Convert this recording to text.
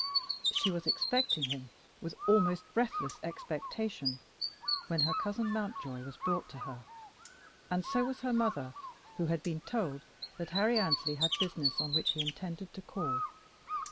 She was expecting him with almost breathless expectation when her cousin Mountjoy was brought to her; and so was her mother, who had been told that Harry Annesley had business on which he intended to call.